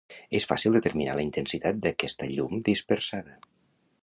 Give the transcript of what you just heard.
És fàcil determinar la intensitat d'aquesta llum dispersada.